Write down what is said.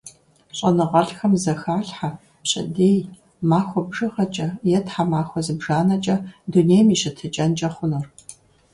ЩӀэныгъэлӀхэм зэхалъхьэ пщэдей, махуэ бжыгъэкӀэ е тхьэмахуэ зыбжанэкӀэ дунейм и щытыкӀэнкӀэ хъунур.